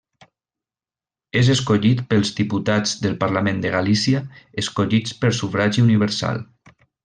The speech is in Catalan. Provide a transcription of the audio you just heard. És escollit pels diputats del Parlament de Galícia, escollits per sufragi universal.